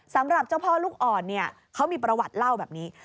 สำหรับเจ้าพ่อลูกอ่อนเนี่ยเขามีประวัติเล่าแบบนี้